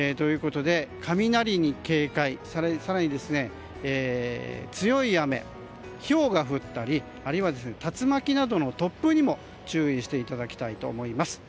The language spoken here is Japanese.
雷に警戒、更に強い雨ひょうが降ったりあるいは竜巻などの突風にも注意していただきたいと思います。